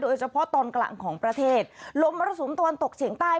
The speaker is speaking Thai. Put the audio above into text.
โดยเฉพาะตอนกลางของประเทศลมมรสุมตะวันตกเฉียงใต้